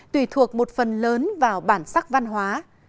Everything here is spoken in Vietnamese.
tùy thuộc một phần lớn vào bản sắc văn hóa